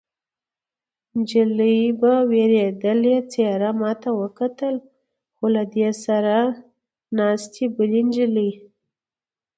نجلۍ په وېرېدلې څېره ما ته وکتل، خو له دې سره ناستې بلې نجلۍ.